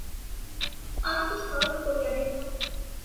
আমাকে স্মরণ করিয়া দেখুন।